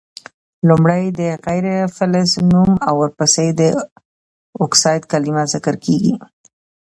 لومړی د غیر فلز نوم او ورپسي د اکسایډ کلمه ذکر کیږي.